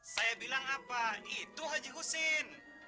saya bilang apa itu haji husin